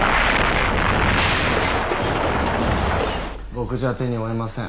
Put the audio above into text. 僕じゃ手に負えません。